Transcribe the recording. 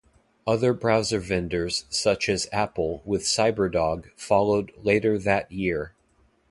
Other browser vendors such as Apple with Cyberdog followed later that year.